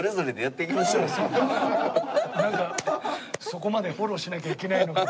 そこまでフォローしなきゃいけないのか。